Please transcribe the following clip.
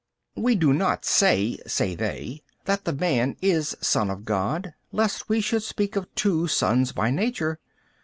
B. We do not say (say they) that the man is Son of God, lest we should speak of two sons by Nature.